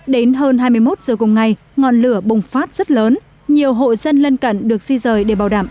đến hơn hai mươi một giờ cùng ngày ngọn lửa bùng phát rất lớn nhiều hộ dân lân cận được di rời để bảo đảm